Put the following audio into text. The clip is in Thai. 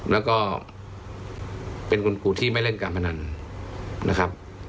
แล้วก็เป็นคุณครูที่ไม่เล่นการพนันนะครับ